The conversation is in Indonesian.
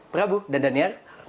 prabu dan daniel